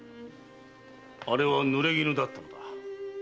あれは濡れ衣だったのだ。